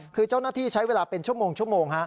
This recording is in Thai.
คือเจ้าหน้าที่ใช้เวลาเป็นชั่วโมง